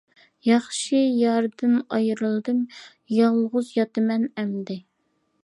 ياخشى ياردىن ئايرىلدىم، يالغۇز ياتىمەن ئەمدى.